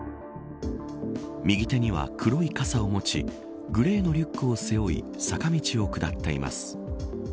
右手には黒い傘を持ちグレーのリュックを背負い坂道を下っています。